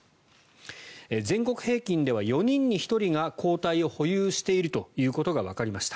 全国平均では４人に１人が抗体を保有しているということがわかりました。